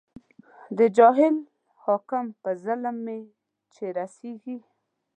د جاهل حاکم په ظلم مې چې سېزې